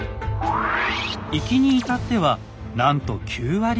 行きに至ってはなんと９割以上。